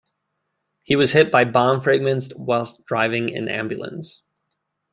He was hit by bomb fragments whilst driving an ambulance.